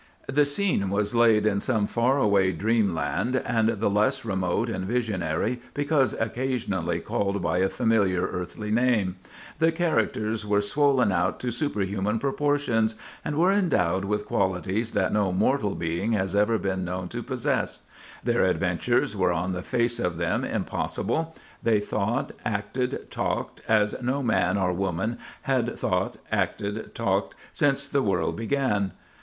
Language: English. The scene was laid in some far away dreamland, not the less remote and visionary because occasionally called by a familiar earthly name; the characters were swollen out to superhuman proportions, and were endowed with qualities that no mortal being has ever been known to possess; their adventures were on the face of them impossible; they thought, acted, talked as no man or woman had thought, acted, talked since the world began.